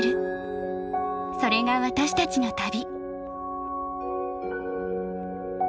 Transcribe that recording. それが私たちの旅。